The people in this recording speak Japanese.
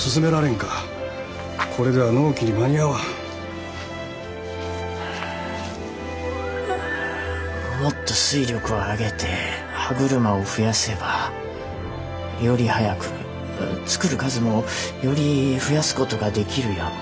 これでは納期に間に合わんもっと水力を上げて歯車を増やせばより早く作る数もより増やすことができるやも。